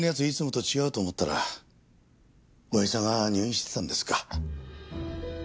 いつもと違うと思ったら親父さんが入院してたんですか。